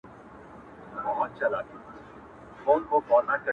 زه يې نور نه کوم! په تياره انتظار!